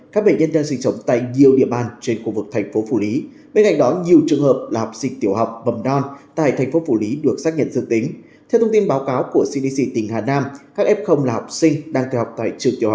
các bạn hãy đăng ký kênh để ủng hộ kênh của chúng mình nhé